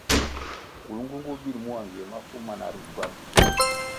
Kulnğunğu bir mua nywiè mafu mana ri ngywam.